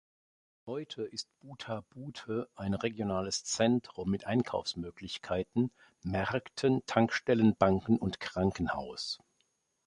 Heute ist Butha-Buthe ein regionales Zentrum mit Einkaufsmöglichkeiten, Märkten, Tankstellen, Banken und Krankenhaus.